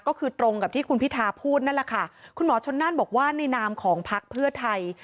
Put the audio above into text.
ก็คือตรงกับที่คุณพิธาพูดนั่นแหละค่ะคุณหมอชนนั่นบอกว่าในนามของพักเพื่อไทย